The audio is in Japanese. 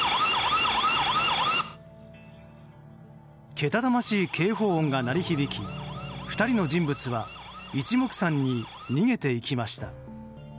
けたたましい警報音が鳴り響き２人の人物は一目散に逃げていきました。